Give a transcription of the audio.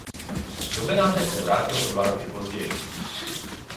Do Benátek se vrátil o dva roky později.